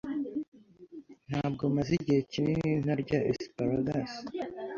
Ntabwo maze igihe kinini ntarya asparagus.